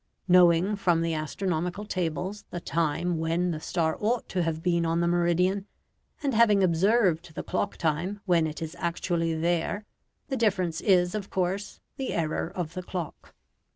Knowing from the astronomical tables the time when the star ought to have been on the meridian, and having observed the clock time when it is actually there, the difference is, of course, the error of the clock.